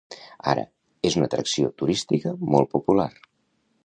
Ara, és una atracció turística molt popular.